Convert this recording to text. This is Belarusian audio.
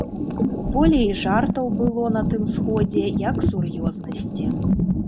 Болей жартаў было на тым сходзе, як сур'ёзнасці.